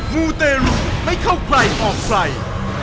มูเตรุไม่เข้าใครออกใคร